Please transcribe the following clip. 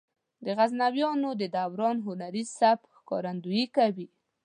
د غزنویانو د دوران هنري سبک ښکارندويي کوي.